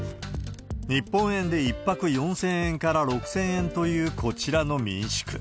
日本円で１泊４０００円から６０００円というこちらの民宿。